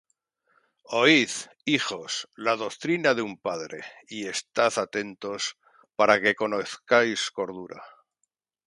Oid, hijos, la doctrina de un padre, Y estad atentos para que conozcáis cordura.